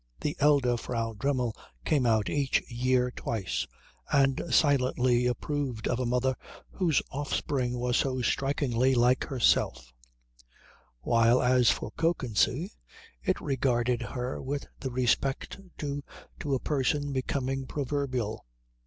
The elder Frau Dremmel came out each year twice and silently approved of a mother whose offspring was so strikingly like herself; while as for Kökensee, it regarded her with the respect due to a person becoming proverbial.